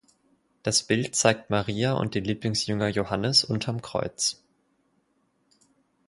Das Bild zeigt Maria und den Lieblingsjünger Johannes unterm Kreuz.